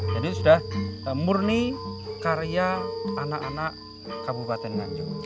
jadi sudah murni karya anak anak kabupaten nganjuk